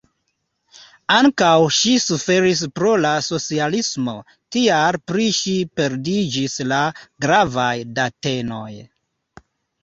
Ankaŭ ŝi suferis pro la socialismo, tial pri ŝi perdiĝis la gravaj datenoj.